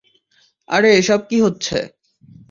আরে এসব কি হচ্ছে?